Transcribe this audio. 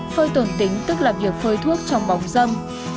phơi tổn tính tức là việc phơi thuốc trong bóng dâm